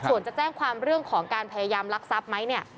ส่วนจะแจ้งความเรื่องของการพยายามลักทรัพย์ไหมเนี่ย